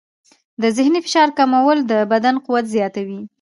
د ذهني فشار کمول د بدن قوت زیاتوي.